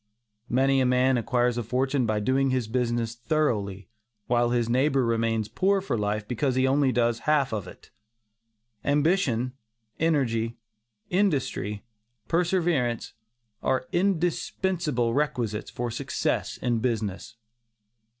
Many a man acquires a fortune by doing his business thoroughly, while his neighbor remains poor for life because he only half does it. Ambition, energy, industry, perseverance, are indispensable requisites for success in business.